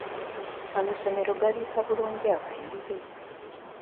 Amasomero galiisa bulungi abayizi?